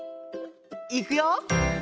いくよ！